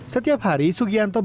setiap hari sugianto berada di